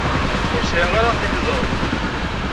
Ur sɛiɣ ara tiliẓri.